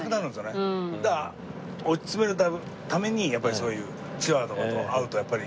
だから落ち着けるためにやっぱりそういうチワワとかと会うとやっぱり。